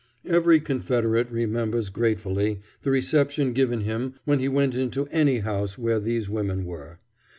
Every Confederate remembers gratefully the reception given him when he went into any house where these women were.